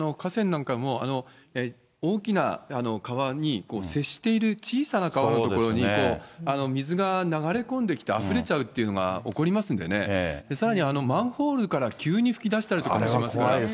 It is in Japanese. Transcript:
しかも河川なんかも大きな川に接している小さな川の所に水が流れ込んできて、あふれちゃうっていうのが起こりますんでね、さらにマンホールから急に噴き出したりとかもしますから。